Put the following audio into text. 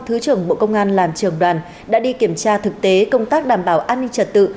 thứ trưởng bộ công an làm trường đoàn đã đi kiểm tra thực tế công tác đảm bảo an ninh trật tự